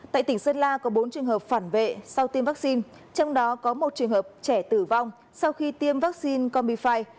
tại tỉnh sơn la có bốn trường hợp phản vệ sau tiêm vaccine trong đó có một trường hợp trẻ tử vong sau khi tiêm vaccine comifi